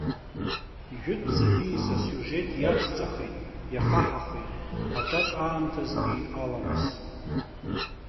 Ижәытәӡатәиз асиужет иацҵахеит, иахаҳахеит, аҿатә аамҭазтәи аламыс.